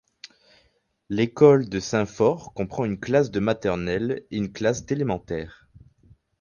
L'école de Saint-Fort comprend une classe de maternelle et une classe d'élémentaire.